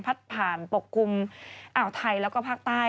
ผ่านปกคลุมอ่าวไทยแล้วก็ภาคใต้